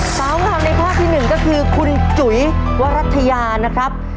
สาวงามในข้อที่๑ก็คือคุณจุ๋ยวรัฐยานะครับ